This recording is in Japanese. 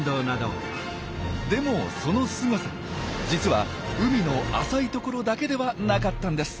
でもそのすごさ実は海の浅い所だけではなかったんです。